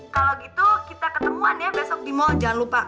kalau gitu kita ketemuan ya besok di mall jangan lupa